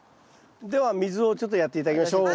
では水をちょっとやって頂きましょう。